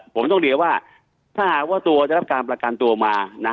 ผมต้องเรียกว่าถ้าหากว่าตัวได้รับการประกันตัวมานะ